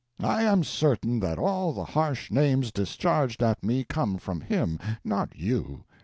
I am certain that all the harsh names discharged at me come from him, not you.